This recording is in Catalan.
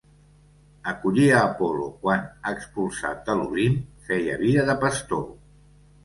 Acollí a Apol·lo quan, expulsat de l'Olimp, feia vida de pastor.